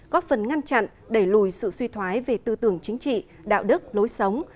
góp phần ngăn chặn đẩy lùi sự suy thoái về tư tưởng chính trị đạo đức lối sống